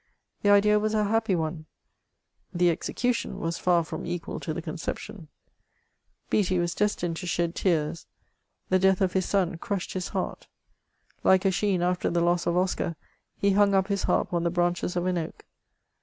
The idea was a happy one ; the execution was far from equal to the con ception. Beattie was destined to shed tears ; the death of his son crushed his heart : like Ossian after the loss of Oscar, he hung up his harp on the branches of an oak.